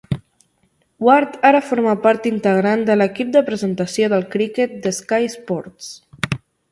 Ward ara forma part integrant de l'equip de presentació del criquet de Sky Sports.